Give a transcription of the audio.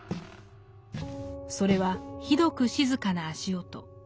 それはひどく静かな足音。